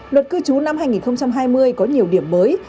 luật cư trú năm hai nghìn hai mươi có nhiều điểm mới